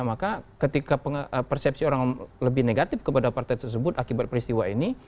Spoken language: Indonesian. maka ketika persepsi orang lebih negatif kepada partai tersebut akibat peristiwa ini